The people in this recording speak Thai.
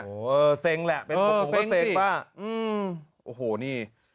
โอ้โหเออเส้งแหละเป็นตรงผมว่าเส้งป้าเออเส้งสิอืมโอ้โหนี่